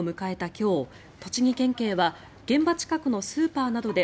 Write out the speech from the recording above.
今日栃木県警は現場近くのスーパーなどで